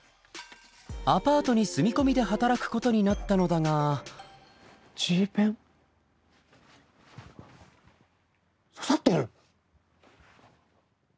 アパートに住み込みで働くことになったのだがＧペン？刺さってる？